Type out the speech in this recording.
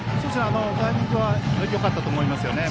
タイミングはよかったと思います。